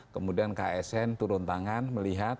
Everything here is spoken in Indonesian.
kemudian ksn turun tangan melihat